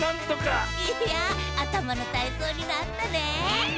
いやあたまのたいそうになったね！